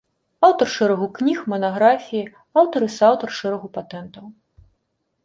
Аўтар шэрагу кніг, манаграфіі, аўтар і сааўтар шэрагу патэнтаў.